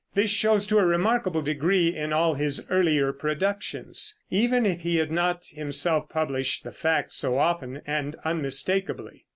This shows to a remarkable degree in all his earlier productions, even if he had not himself published the fact so often and unmistakably.